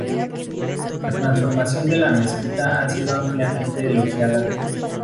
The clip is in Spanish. La transformación de la mezquita ha sido ampliamente elogiada.